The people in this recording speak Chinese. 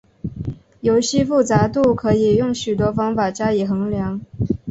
游戏复杂度可以用许多方法加以衡量。